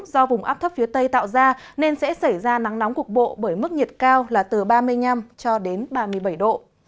do vùng áp thấp phía tây tạo ra nên sẽ xảy ra nắng nóng cục bộ bởi mức nhiệt cao là từ ba mươi năm cho đến ba mươi bảy độ